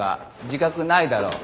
自覚ないだろ。